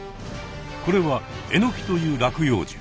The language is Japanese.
これはエノキという落葉樹。